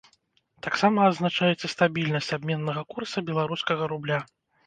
Таксама адзначаецца стабільнасць абменнага курса беларускага рубля.